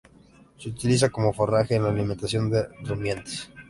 Se utiliza como forraje en la alimentación de rumiantes.